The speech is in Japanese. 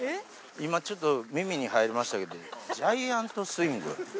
今、ちょっと耳に入りましたけど、ジャイアントスイング？